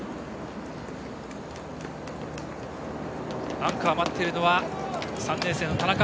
アンカーで待っているのは３年生の田中。